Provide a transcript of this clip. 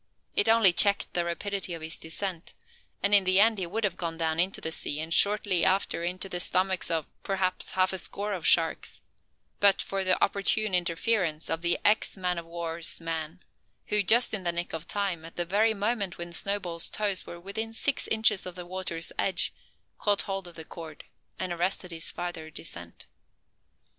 It only checked the rapidity of his descent; and in the end he would have gone down into the sea, and shortly after into the stomachs of, perhaps, half a score of sharks, but for the opportune interference of the ex man o' war's man; who, just in the nick of time, at the very moment when Snowball's toes were within six inches of the water's edge, caught hold of the cord and arrested his farther descent.